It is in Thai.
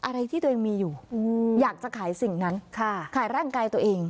อะไรที่ตัวเองมีอยู่อยากจะขายสิ่งนั้นขายร่างกายตัวเอง